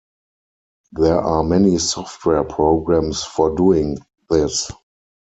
There are many software programs for doing this.